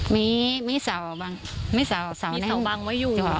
มีเสาบังมีเสาบังไว้อยู่